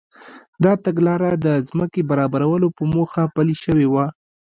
دا تګلاره د ځمکې برابرولو په موخه پلي شوې وه.